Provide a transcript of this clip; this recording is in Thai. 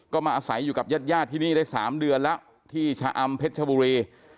ก็มาอาศัยอยู่กับญาติญาติที่นี่ได้๓เดือนแล้วที่ชะอำเพชรชบุรี